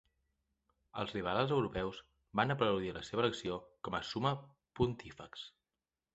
Els liberals europeus van aplaudir la seva elecció com a summe pontífex.